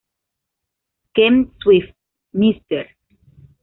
Ken Swift, Mr.